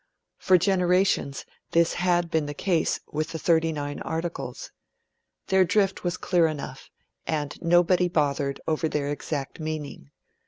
For generations this had been the case with the Thirty nine Articles. Their drift was clear enough; and nobody bothered over their exact meaning.